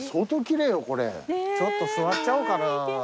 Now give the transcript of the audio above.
ちょっと座っちゃおうかな。